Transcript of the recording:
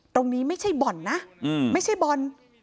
ตรงนี้ไม่ใช่บ่อนนะไม่ใช่บ่อน